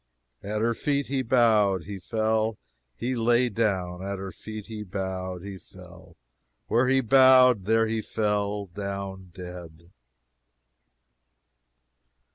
"At her feet he bowed, he fell, he lay down: at her feet he bowed, he fell: where he bowed, there he fell down dead."